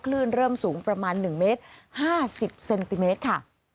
คลื่นเริ่มสูงประมาณ๑เมตร๕๐เซนติเมตรค่ะ